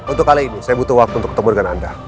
untuk kali ini saya butuh waktu untuk ketemu dengan anda